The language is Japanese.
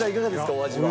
お味は。